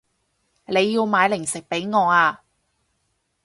你要買零食畀我啊